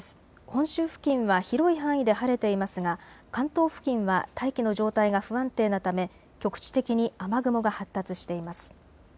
本州付近は広い範囲で晴れていますが関東付近は大気の状態が不安定なため局地的に雨雲が発達しています。